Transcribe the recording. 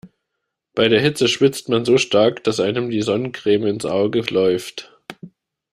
Bei der Hitze schwitzt man so stark, dass einem die Sonnencreme ins Auge läuft.